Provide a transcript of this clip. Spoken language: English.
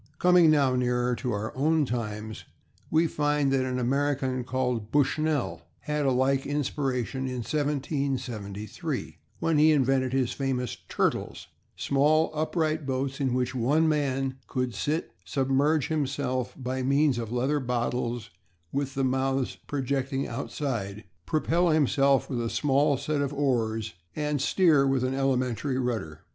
Coming now nearer to our own times, we find that an American called Bushnell had a like inspiration in 1773, when he invented his famous "Turtles," small, upright boats in which one man could sit, submerge himself by means of leather bottles with the mouths projecting outside, propel himself with a small set of oars and steer with an elementary rudder.